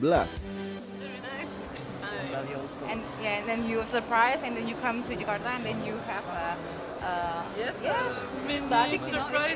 selamat datang ke jakarta indonesia